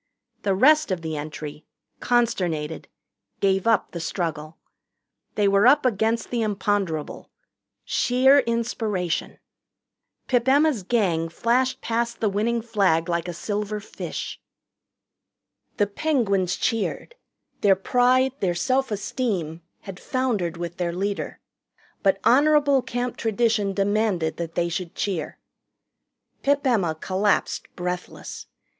The rest of the entry, consternated, gave up the struggle. They were up against the imponderable sheer inspiration. Pip Emma's Gang flashed past the winning flag like a silver fish. The Penguins cheered. Their pride, their self esteem, had foundered with their leader. But honorable Camp tradition demanded that they should cheer. Pip Emma collapsed breathless.